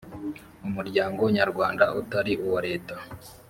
umuryango nyarwanda utari uwa leta